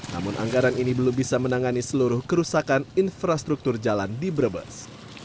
namun anggaran ini belum bisa menangani seluruh kerusakan infrastruktur jalan di brebes